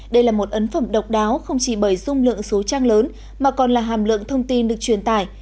đây là một ấn phẩm độc đáo không chỉ bởi dung lượng số trang lớn mà còn là hàm lượng thông tin được truyền tải